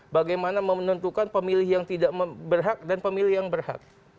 bagaimana menentukan pemilih yang tidak berhak dan pemilih yang berhak